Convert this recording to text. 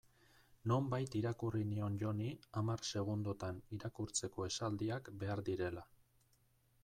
Nonbait irakurri nion Joni hamar segundotan irakurtzeko esaldiak behar direla.